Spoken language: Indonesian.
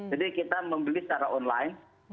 jadi kita membeli secara online